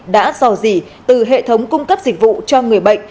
đã dò dỉ từ hệ thống cung cấp dịch vụ cho người bệnh